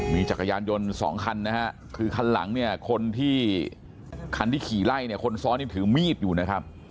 มีจักรยานยนต์สองคันนะฮะคือคันหลังเนี่ยคนที่คันที่ขี่ไล่เนี่ยคนซ้อนนี่ถือมีดอยู่นะครับ